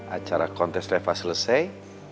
acara kontes lepas selesai